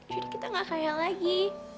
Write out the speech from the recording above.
jadi kita gak kaya lagi